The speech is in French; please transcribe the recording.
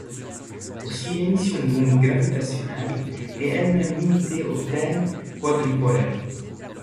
Aussi l'émission d'ondes gravitationnelles est-elle limitée au terme quadrupolaire.